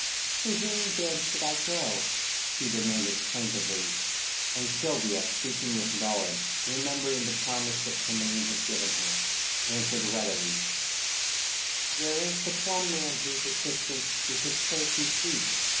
"To whom then should I go?" she demanded plaintively. And Sylvia, speaking with knowledge, remembering the promise that Tremayne had given her, answered readily: "There is but one man whose assistance you could safely seek.